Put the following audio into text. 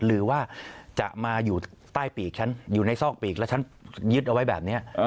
หรือว่าจะมาอยู่ใต้ปีกฉันอยู่ในซอกปีกแล้วฉันยึดเอาไว้แบบนี้